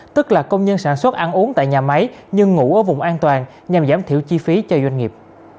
tức là công nhân sản xuất ăn uống tại nhà máy nhưng ngủ ở vùng an toàn nhằm giảm thiểu chi phí cho doanh nghiệp